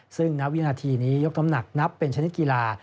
ซึ่งณวินาทีนี้ยกน้ำหนักนับเป็นชนิดกีฬา